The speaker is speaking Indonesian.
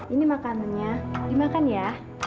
ini makanannya dimakan ya